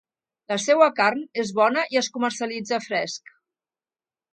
La seua carn és bona i es comercialitza fresc.